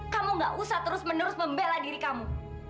kamu gak usah terus menerus membela diri kamu